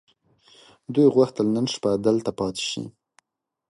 دوی غوښتل نن شپه دلته پاتې شي.